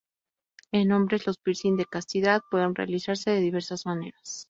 En hombres, los piercing de castidad, pueden realizarse de diversas maneras.